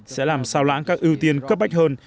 sẽ làm sao lãng các ưu tiên cấp bách hơn